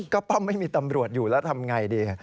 ก็ป้อมไม่มีตำรวจอยู่แล้วทำไงดี